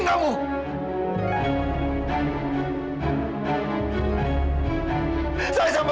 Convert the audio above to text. aku menyertai kamu